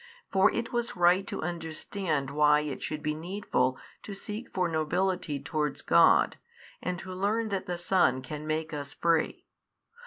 For it was right to understand why it should be needful to seek for nobility towards God and to learn that the Son can make us free.